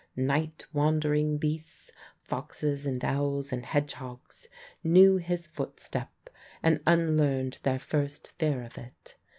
Night wandering beasts foxes and owls and hedgehogs knew his footstep and unlearned their first fear of it.